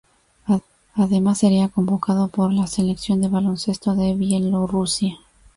Además sería convocado por la Selección de baloncesto de Bielorrusia.